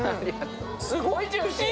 すごいジューシー。